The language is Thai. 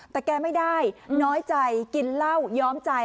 แต่แกไม่ได้น้อยใจกินเหล้าย้อมใจ